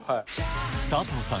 佐藤さん